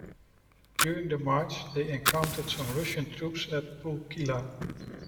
During the march they encountered some Russian troops at Pulkkila.